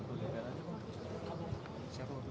lagu kebangsaan indonesia raya